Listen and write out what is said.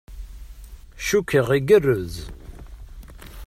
Cukkeɣ igerrez.